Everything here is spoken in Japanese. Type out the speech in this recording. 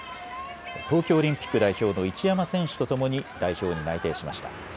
東京オリンピック代表の一山選手とともに代表に内定しました。